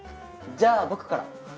じゃあ僕から。